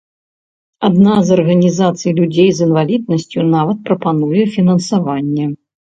Адна з арганізацый людзей з інваліднасцю нават прапануе фінансаванне.